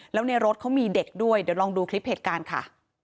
แล้วในรถเขามีเด็กด้วยเดี๋ยวลองดูคลิปเหตุการณ์ค่ะ